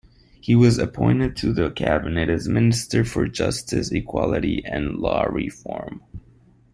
He was appointed to the cabinet as Minister for Justice, Equality and Law Reform.